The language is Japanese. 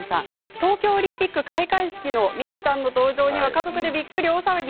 東京オリンピック開会式のミキさんの登場には家族でびっくり、大騒ぎ。